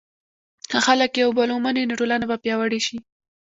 که خلک یو بل ومني، نو ټولنه به پیاوړې شي.